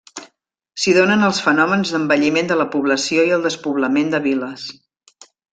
S'hi donen els fenòmens d'envelliment de la població i el despoblament de viles.